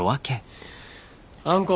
あんこ。